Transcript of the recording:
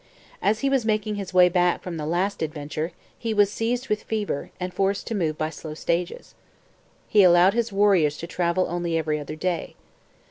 As he was making his way back from the last adventure, he was seized with fever and forced to move by slow stages. He allowed his warriors to travel only every other day.